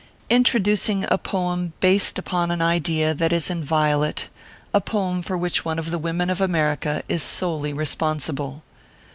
INTRODUCING A POEM BASED UPON AN IDEA THAT IS IN VIOLET A POEM FOR WHICH ONE OF THE WOMEN OP AMERICA IS SOLELY RESPONSIBLE.